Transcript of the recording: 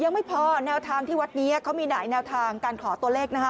ยังไม่พอแนวทางที่วัดนี้เขามีหลายแนวทางการขอตัวเลขนะคะ